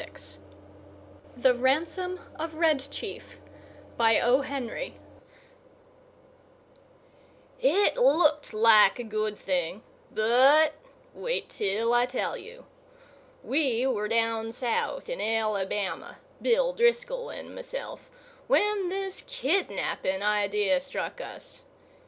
VIII THE RANSOM OF RED CHIEF It looked like a good thing: but wait till I tell you. We were down South, in Alabama—Bill Driscoll and myself—when this kidnapping idea struck us.